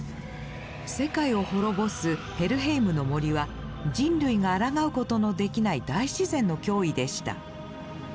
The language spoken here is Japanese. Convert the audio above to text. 世界を滅ぼすヘルヘイムの森は人類があらがうことのできない大自然の脅威でした。